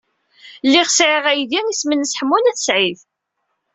Lliɣ sɛiɣ aydi isem-nnes Ḥemmu n At Sɛid.